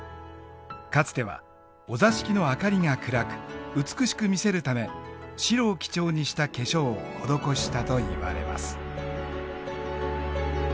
かつてはお座敷の明かりが暗く美しく見せるため白を基調にした化粧を施したといわれます。